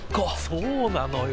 そうなのよ。